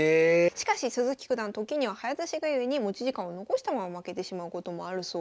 しかし鈴木九段時には早指しがゆえに持ち時間を残したまま負けてしまうこともあるそうです。